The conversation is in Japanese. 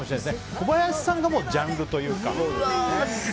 小林さんがもうジャンルというか。